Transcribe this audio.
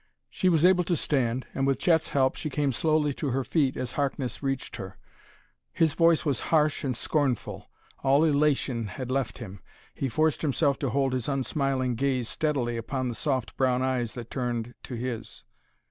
She was able to stand, and with Chet's help she came slowly to her feet as Harkness reached her. His voice was harsh and scornful; all elation had left him. He forced himself to hold his unsmiling gaze steadily upon the soft brown eyes that turned to his.